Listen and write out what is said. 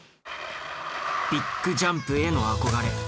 ビッグジャンプへの憧れ。